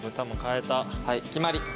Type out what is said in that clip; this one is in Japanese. はい決まり。